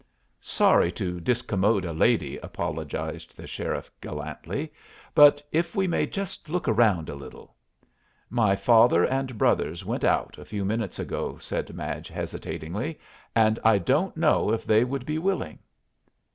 "Sorry to discommode a lady," apologized the sheriff, gallantly, "but if we may just look around a little?" "My father and brothers went out a few minutes ago," said Madge, hesitatingly, "and I don't know if they would be willing."